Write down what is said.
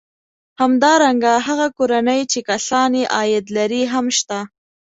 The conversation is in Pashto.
همدارنګه هغه کورنۍ چې کسان یې عاید لري هم شته